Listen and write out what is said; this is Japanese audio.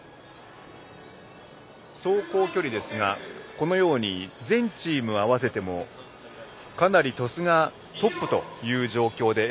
走行距離ですが全チーム合わせてもかなり鳥栖がトップという状況で。